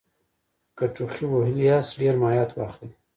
که ټوخي وهلي یاست ډېر مایعت واخلئ